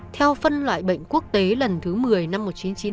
theo phân loại bệnh quốc tế lần thứ một mươi năm một nghìn chín trăm chín mươi